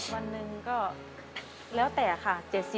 วันนึงก็แล้วแต่ค่ะ๗๐๘๐